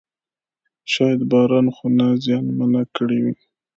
شاید باران خونه زیانمنه کړې وي.